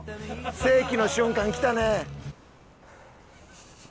世紀の瞬間きたね！